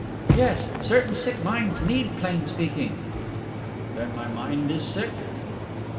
"Yes, certain sick minds need plain speaking." "Then my mind is sick?"